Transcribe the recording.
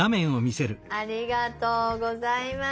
ありがとうございます。